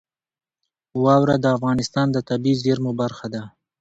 واوره د افغانستان د طبیعي زیرمو برخه ده.